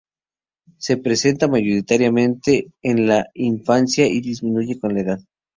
Se presenta mayoritariamente en la infancia y disminuye con la edad.